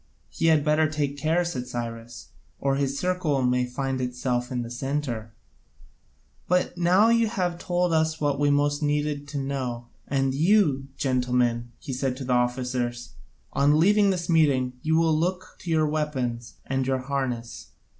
"He had better take care," said Cyrus, "or his circle may find itself in the centre. But now you have told us what we most needed to know, and you, gentlemen," said he to the officers, "on leaving this meeting, you will look to your weapons and your harness.